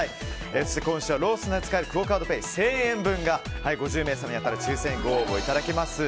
そして今週はローソンなどで使えるクオ・カードペイ１０００円分が５０名様に当たる抽選にご応募いただけます。